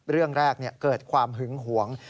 เรื่องแรกเกิดความหึงหวง